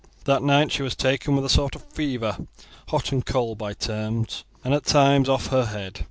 That night she was taken with a sort of fever, hot and cold by turns, and at times off her head.